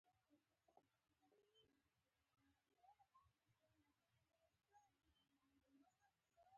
رسول الله ﷺ تل د بدو کارونو نه ځان ساته.